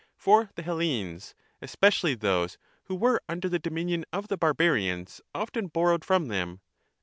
For the Hellenes, especially those who were under the dominion of the barbarians, often borrowed from them.